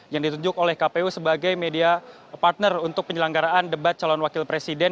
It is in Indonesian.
yang ditunjuk oleh kpu sebagai media partner untuk penyelenggaraan debat calon wakil presiden